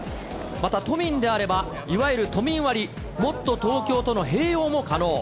また都民であれば、いわゆる都民割、もっとＴｏｋｙｏとの併用も可能。